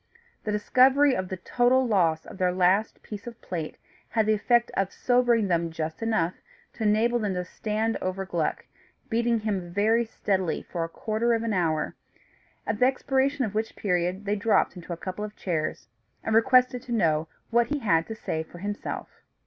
The discovery of the total loss of their last piece of plate had the effect of sobering them just enough to enable them to stand over Gluck, beating him very steadily for a quarter of an hour; at the expiration of which period they dropped into a couple of chairs, and requested to know what he had to say for himself.